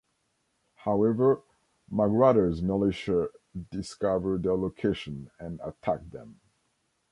However, Magruder's militia discover their location, and attack them.